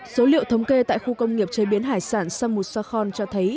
số liệu thống kê tại khu công nghiệp chế biến hải sản samushakon cho thấy